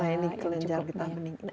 nah ini kelenjar kita mendingin